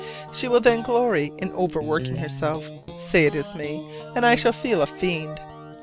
She will then glory in overworking herself, say it is me; and I shall feel a fiend.